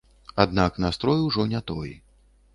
Аднак настрой ўжо не той.